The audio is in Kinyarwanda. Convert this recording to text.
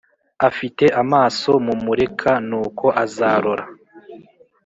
afite amaso mumureka nuko azarora